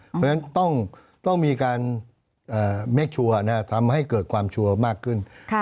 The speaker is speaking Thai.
เพราะฉะนั้นต้องต้องมีการเอ่อนะฮะทำให้เกิดความชัวร์มากขึ้นค่ะ